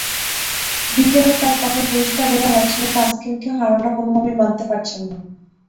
বিকেলেও তাঁর কথায় পরিষ্কার বোঝা যাচ্ছিল, তাসকিনকে হারানোটা কোনোভাবেই মানতে পারছেন না।